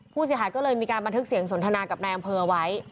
ผู้เสียหายก็เลยมีการบันทึกเสียงสนทนากับนายอำเภอไว้